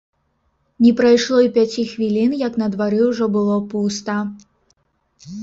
Не прайшло і пяці хвілін, як на двары ўжо было пуста.